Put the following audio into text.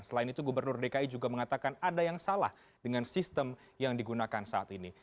selain itu gubernur dki juga mengatakan ada yang salah dengan sistem yang digunakan saat ini